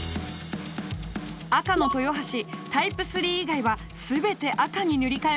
赤の豊橋タイプ３以外は全て赤に塗り替えます。